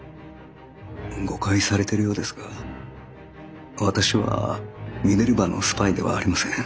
誤解されてるようですが私はミネルヴァのスパイではありません。